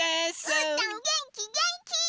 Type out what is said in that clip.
うーたんげんきげんき！